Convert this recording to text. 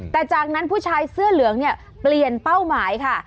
แต่จากนั้นผู้ชายเสื้อเหลืองเนี่ยเปลี่ยนเป้าหมายค่ะ